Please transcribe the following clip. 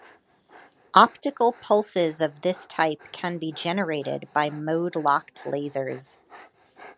Optical pulses of this type can be generated by mode-locked lasers.